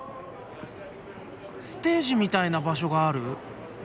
ステージみたいな場所がある。